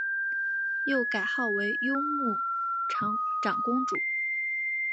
又改号为雍穆长公主。